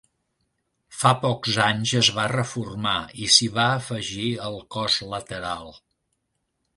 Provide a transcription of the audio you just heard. Fa pocs anys es va reformar i s'hi va afegir el cos lateral.